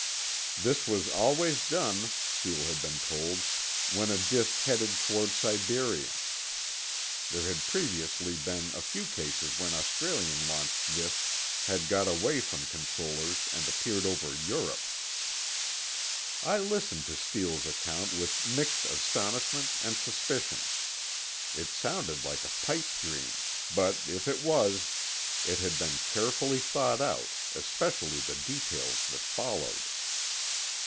This was always done, Steele had been told, when a disk headed toward Siberia; there had previously been a few cases when Australian launched disks had got away from controllers and appeared over Europe. I listened to Steele's account with mixed astonishment and suspicion. It sounded like a pipe dream; but if it was, it had been carefully thought out, especially the details that followed.